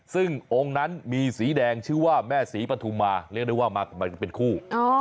ซึ่งองค์นั้นมีสีแดงชื่อว่าแม่ศรีปฐุมาเรียกได้ว่ามากันเป็นคู่